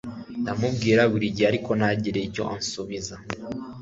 ndamubwira burigihe ariko ntagire icyo ansubiza